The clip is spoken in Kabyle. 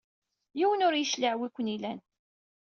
Yiwen ur yecliɛ anwa i k-ilan.